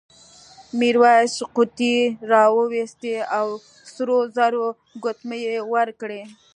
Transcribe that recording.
میرويس قوطۍ راوایستې او سرو زرو ګوتمۍ یې ورکړې.